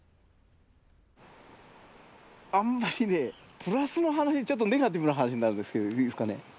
あんまりねプラスの話ちょっとネガティブな話になるんですけどいいですかね？